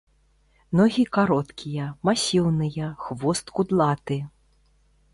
Ногі кароткія, масіўныя, хвост кудлаты.